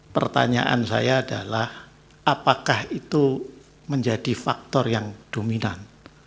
pertanyaan saya adalah apakah itu menjadi faktor yang dominan